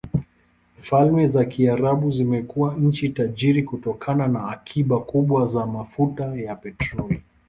Falme za Kiarabu zimekuwa nchi tajiri kutokana na akiba kubwa za mafuta ya petroli.